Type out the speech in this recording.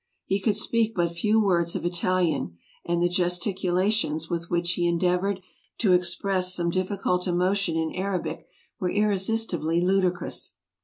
He could speak but few words of Italian, and the gesticulations with which he endeavored to express some difficult emotion in Arabic were irresistibly ludicrous.